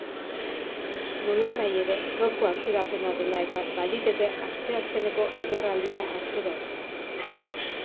Nolanahi ere, gaurko atzerapena dela eta, baliteke asteazkeneko agerraldia atzeratzea.